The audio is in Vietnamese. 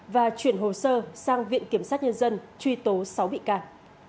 và chuyển hồ sơ sang viện kiểm sát nhân dân truy tố sáu bị can